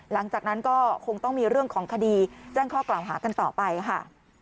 หลังจากนั้นก็คงต้องมีเรื่องของคดีแจ้งข้อกล่าวหากันต่อไปค่ะ